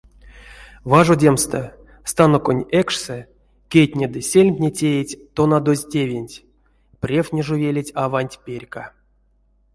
Важодемстэ, станоконть экшсэ, кедтне ды сельмтне теить тонадозь тевенть, превтне жо велить аванть перька.